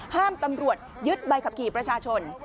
ห้ามตำรวจยึดใบขับขี่ประชาชน